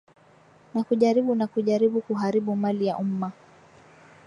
na kujaribu na kujaribu kuharibu mali ya umma